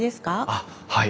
あっはい。